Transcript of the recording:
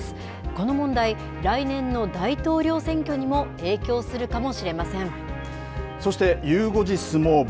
この問題、来年の大統領選挙にもそして、ゆう５時相撲部。